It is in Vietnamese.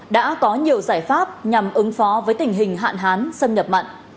đã có nhiều giải pháp nhằm ứng phó với tình hình hạn hán xâm nhập mặn